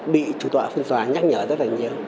bị chủ tọa phiên tòa nhắc nhở rất nhiều